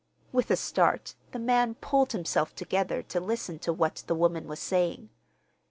(With a start the man pulled himself together to listen to what the woman was saying.)